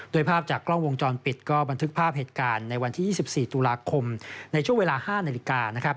โดยภาพจากกล้องวงจรปิดก็บันทึกภาพเหตุการณ์ในวันที่๒๔ตุลาคมในช่วงเวลา๕นาฬิกานะครับ